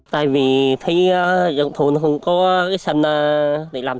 tại vì thi dựng thôn không có sân để làm